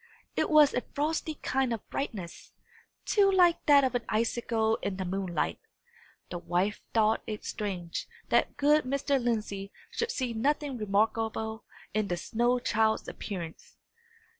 It was a frosty kind of brightness, too like that of an icicle in the moonlight. The wife thought it strange that good Mr. Lindsey should see nothing remarkable in the snow child's appearance.